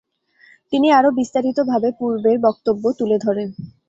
তিনি আরো বিস্তারিতভাবে পূর্বের বক্তব্য তুলে ধরেন।